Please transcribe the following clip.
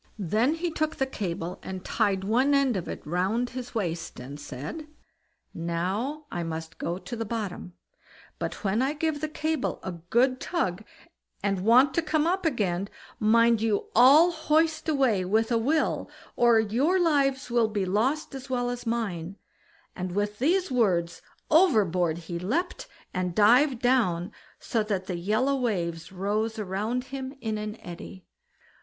Then he took the cable and tied one end of it round his waist, and said: "Now, I must go to the bottom, but when I give the cable a good tug, and want to come up again, mind you all hoist away with a will, or your lives will be lost as well as mine"; and with these words overboard he leapt, and dived down, so that the yellow waves rose round him in an eddy.